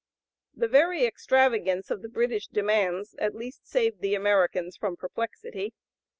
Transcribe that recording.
The very extravagance of the British demands at least saved the (p. 085) Americans from perplexity.